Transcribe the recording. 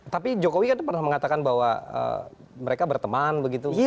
tapi jokowi kan pernah mengatakan bahwa mereka berteman begitu